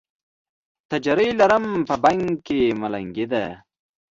تجره لرم، په بنګ کې ملنګي ده